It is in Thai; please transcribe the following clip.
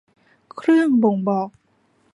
เครื่องบ่งบอก